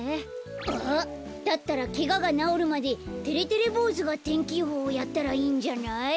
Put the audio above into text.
あっだったらケガがなおるまでてれてれぼうずが天気予報やったらいいんじゃない？